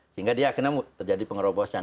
sehingga dia akhirnya terjadi pengerobosan